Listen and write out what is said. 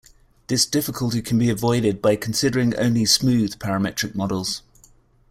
This difficulty can be avoided by considering only "smooth" parametric models.